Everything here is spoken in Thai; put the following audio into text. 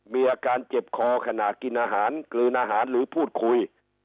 มีอาการเจ็บคอขนาดกินอาหารกลืนอาหารหรือพูดคุย